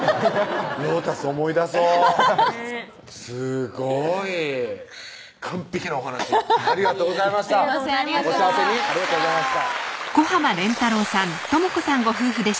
ロータス思い出そうすごい完璧なお話ありがとうございましたお幸せにありがとうございました